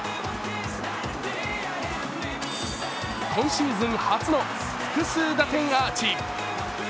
今シーズン初の複数打点アーチ。